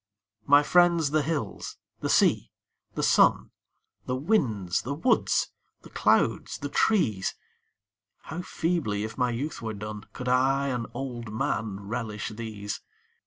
My friends the hills, the sea, the sun, The winds, the woods, the clouds, the trees How feebly, if my youth were done, Could I, an old man, relish these